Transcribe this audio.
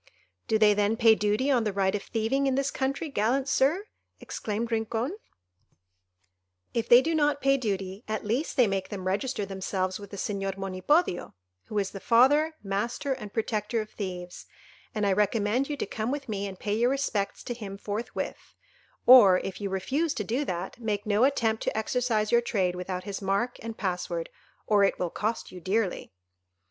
"Do they then pay duty on the right of thieving in this country, gallant Sir?" exclaimed Rincon. "If they do not pay duty, at least they make them register themselves with the Señor Monipodio, who is the father, master, and protector of thieves; and I recommend you to come with me and pay your respects to him forthwith, or, if you refuse to do that, make no attempt to exercise your trade without his mark and pass word, or it will cost you dearly."